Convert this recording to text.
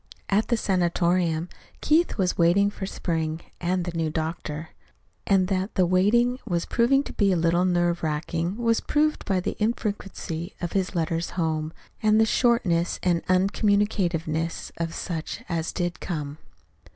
At the sanatorium Keith was waiting for spring and the new doctor; and that the waiting was proving to be a little nerve racking was proved by the infrequency of his letters home, and the shortness and uncommunicativeness of such as did come.